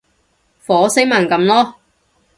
火星文噉囉